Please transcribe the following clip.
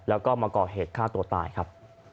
แล้วก็มาก่อเหตุฆ่าตัวตายครับ